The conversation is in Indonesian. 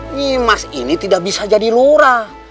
nih mas ini tidak bisa jadi lurah